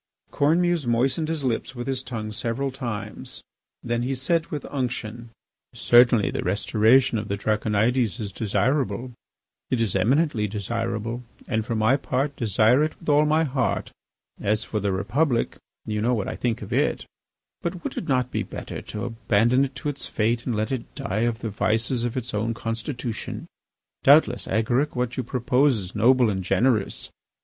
Cornemuse moistened his lips with his tongue several times. Then he said with unction: "Certainly the restoration of the Draconides is desirable; it is eminently desirable; and for my part, desire it with all my heart. As for the Republic, you know what I think of it. ... But would it not be better to abandon it to its fate and let it die of the vices of its own constitution? Doubtless, Agaric, what you propose is noble and generous.